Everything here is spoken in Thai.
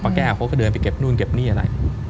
แก้วเขาก็เดินไปเก็บนู่นเก็บนี่อะไร